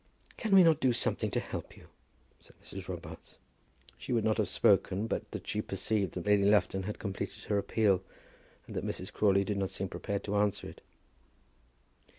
"Can we not do something to help you?" said Mrs. Robarts. She would not have spoken but that she perceived that Lady Lufton had completed her appeal, and that Mrs. Crawley did not seem prepared to answer it.